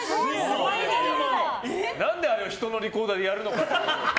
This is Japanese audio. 何であれを人のリコーダーでやるのか。